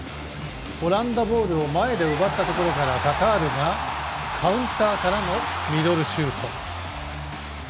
オランダボールを前で奪ったところからカタールがカウンターからのミドルシュート。